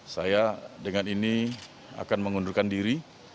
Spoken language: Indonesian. saya dengan ini akan mengundurkan diri